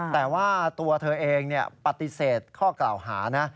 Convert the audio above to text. แต่ว่าตัวเธอเองปฏิเสธข้อกล่าวหานะ